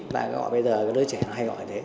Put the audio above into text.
ta gọi bây giờ đứa trẻ hay gọi thế